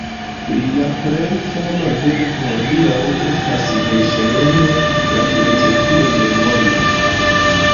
Lia plej fama verko hodiaŭ estas verŝajne "La filozofio de mono".